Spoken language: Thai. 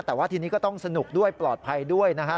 แต่ว่าทีนี้ก็ต้องสนุกด้วยปลอดภัยด้วยนะฮะ